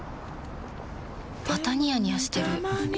またニヤニヤしてるふふ。